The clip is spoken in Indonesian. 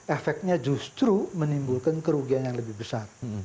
efeknya justru menimbulkan kerugian yang lebih besar